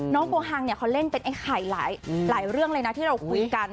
โกฮังเนี่ยเขาเล่นเป็นไอ้ไข่หลายเรื่องเลยนะที่เราคุยกัน